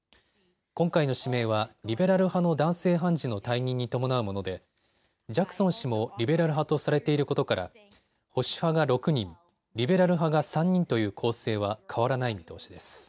今回の指名はリベラル派の男性判事の退任に伴うものでジャクソン氏もリベラル派とされていることから保守派が６人、リベラル派が３人という構成は変わらない見通しです。